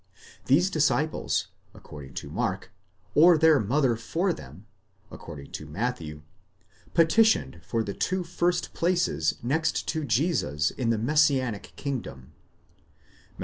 These disciples (according to Mark), or their mother for them (according to Matthew), petitioned for the two first places next to Jesus in the messianic kingdom (Matt.